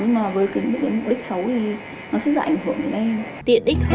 nhưng mà với cái mục đích xấu thì nó sẽ dạy ảnh hưởng đến em